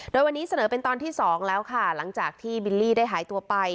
โดยวันนี้เสนอเป็นตอนที่๒แล้วค่ะหลังจากที่บิลลี่ได้หายตัวไป